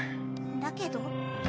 「だけど」？